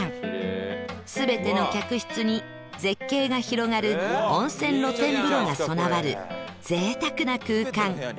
全ての客室に絶景が広がる温泉露天風呂が備わる贅沢な空間